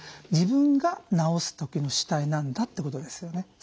自分が治すときの主体なんだってことですよね。